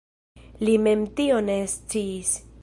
Li mem tion ne sciis.